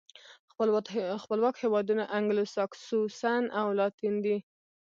خپلواک هېوادونه انګلو ساکسوسن او لاتین دي.